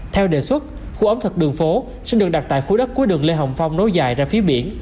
theo đề xuất khu ẩm thực đường phố sẽ được đặt tại khu đất cuối đường lê hồng phong nối dài ra phía biển